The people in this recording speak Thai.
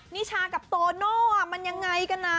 นิชากับโตโน่มันยังไงกันนะ